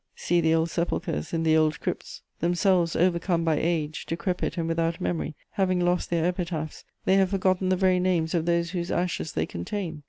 See the old sepulchres in the old crypts: themselves overcome by age, decrepit and without memory, having lost their epitaphs, they have forgotten the very names of those whose ashes they contain.